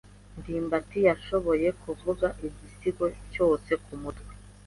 ndimbati yashoboye kuvuga igisigo cyose kumutwe.